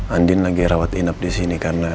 andin lagi rawat inap disini karena